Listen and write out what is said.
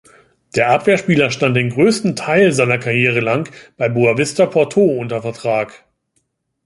Der Abwehrspieler stand den größten Teil seiner Karriere lang bei Boavista Porto unter Vertrag.